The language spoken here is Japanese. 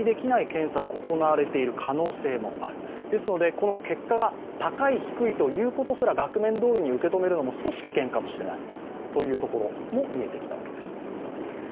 この結果が高い低いということすら額面どおりに受け止めるのも、少し危険かもしれないというところも見えてきたわけです。